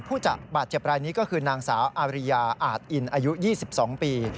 จะบาดเจ็บรายนี้ก็คือนางสาวอาริยาอาจอินอายุ๒๒ปี